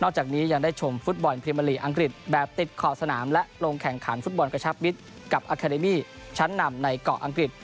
จากนี้ยังได้ชมฟุตบอลพิมาลีอังกฤษแบบติดขอบสนามและลงแข่งขันฟุตบอลกระชับมิตรกับอาคาเดมี่ชั้นนำในเกาะอังกฤษ